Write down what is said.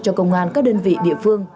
cho công an các đơn vị địa phương